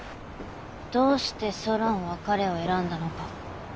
どうしてソロンは彼を選んだのか。